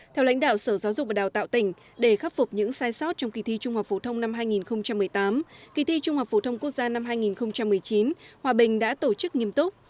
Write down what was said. theo lãnh đạo sở giáo dục và đào tạo tỉnh để khắc phục những sai sót trong kỳ thi trung học phổ thông năm hai nghìn một mươi tám kỳ thi trung học phổ thông quốc gia năm hai nghìn một mươi chín hòa bình đã tổ chức nghiêm túc